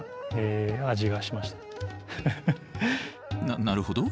ななるほど。